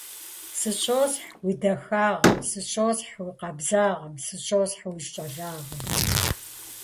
Сыщосхь уи дахагъэм, сыщосхь уи къабзагъэм, сыщосхь уи щӀалагъэм.